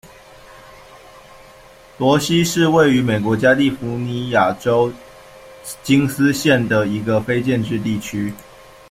罗西是位于美国加利福尼亚州金斯县的一个非建制地区。